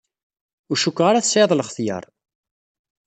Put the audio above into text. Ur cukkeɣ ara tesɛiḍ lextyar.